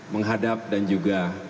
menghadap dan juga